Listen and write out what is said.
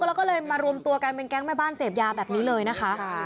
แล้วก็เลยมารวมตัวกันเป็นแก๊งแม่บ้านเสพยาแบบนี้เลยนะคะ